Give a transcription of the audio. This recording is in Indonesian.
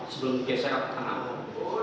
sebelum geser ke tengah